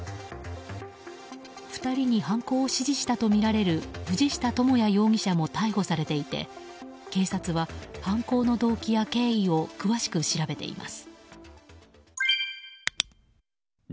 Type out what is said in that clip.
２人に犯行を指示したとみられる藤下朋哉容疑者も逮捕されていて警察は、犯行の動機や経緯を詳しく調べています。